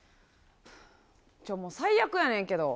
ちょっ、もう最悪やねんけど。